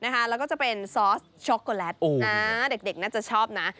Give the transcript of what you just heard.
แล้วก็จะเป็นซอสช็อกโกแลตเด็กน่าจะชอบนะ